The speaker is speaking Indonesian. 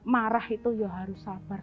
marah itu ya harus sabar